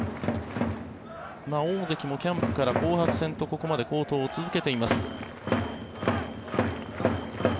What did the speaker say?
大関もキャンプから紅白戦とここまで好投を続けています。